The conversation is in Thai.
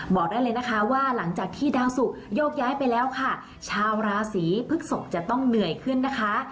บอกได้เลยนะคะว่าหลังจากที่ดาวสุกโยกย้ายไปแล้วค่ะชาวราศีพฤกษกจะต้องเหนื่อยขึ้นนะคะ